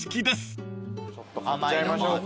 ちょっと買っちゃいましょうか。